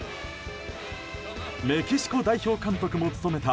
メキシコ代表監督も務めた